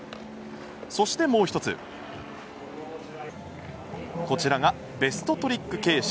そしてもう１つこちらがベストトリック形式。